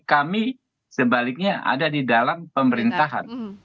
kami sebaliknya ada di dalam pemerintahan